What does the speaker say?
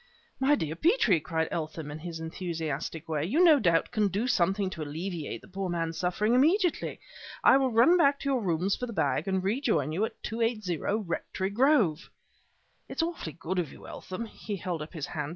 "My dear Petrie!" cried Eltham, in his enthusiastic way "you no doubt can do something to alleviate the poor man's suffering immediately. I will run back to your rooms for the bag and rejoin you at 280, Rectory Grove." "It's awfully good of you, Eltham " He held up his hand.